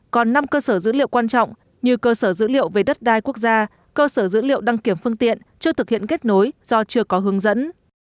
còn năm cơ sở dữ liệu quan trọng như cơ sở dữ liệu về đất đai quốc gia cơ sở dữ liệu đăng kiểm phương tiện chưa thực hiện kết nối do chưa có hướng dẫn